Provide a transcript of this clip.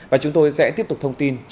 và chúng tôi sẽ tiếp tục thông tin